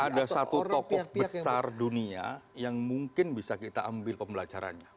ada satu tokoh besar dunia yang mungkin bisa kita ambil pembelajarannya